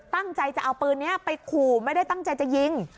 ตั้งใจจะเอาปืนนี้ไปขู่ไม่ได้ตั้งใจจะยิง